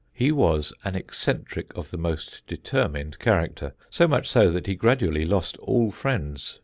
He was an eccentric of the most determined character, so much so that he gradually lost all friends.